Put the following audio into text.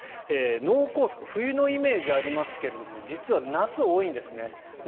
脳梗塞冬のイメージがありますが夏が多いんです。